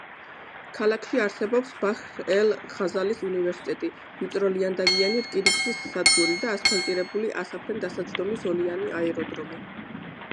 ქალაქში არსებობს ბაჰრ-ელ-ღაზალის უნივერსიტეტი, ვიწროლიანდაგიანი რკინიგზის სადგური და ასფალტირებული ასაფრენ-დასაჯდომი ზოლიანი აეროდრომი.